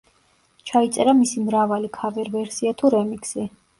ჩაიწერა მისი მრავალი ქავერ-ვერსია თუ რემიქსი.